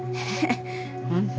本当。